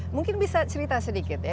mungkin bisa cerita sedikit ya